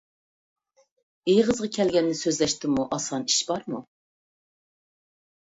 ئېغىزغا كەلگەننى سۆزلەشتىنمۇ ئاسان ئىش بارمۇ؟